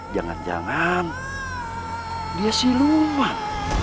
jangan jangan dia si luman